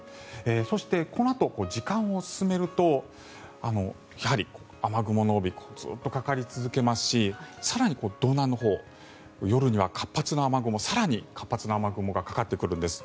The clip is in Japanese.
そしてこのあと時間を進めるとやはり雨雲の帯がずっとかかり続けますし更に道南のほう夜には更に活発な雨雲がかかってくるんです。